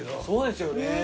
そうですよね。